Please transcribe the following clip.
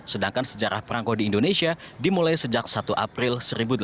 sedangkan sejarah perangko di indonesia dimulai sejak satu april seribu delapan ratus